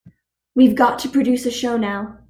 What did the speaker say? We've got to produce a show now.